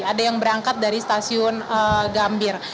ada yang berangkat dari stasiun gambir